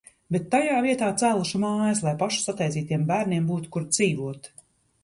Bet tajā vietā cēluši mājas, lai pašu sataisītiem bērniem būtu, kur dzīvot.